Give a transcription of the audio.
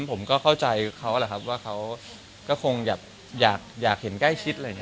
ผมก็เข้าใจที่เขาว่าเขาก็คงอยากเห็นใกล้ชิดอะไรแบบนั้น